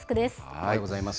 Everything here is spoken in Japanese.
おはようございます。